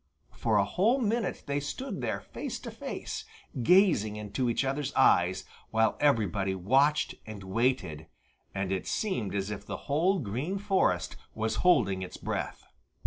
For a whole minute they stood there face to face, gazing into each other's eyes, while everybody watched and waited, and it seemed as if the whole Green Forest was holding its breath.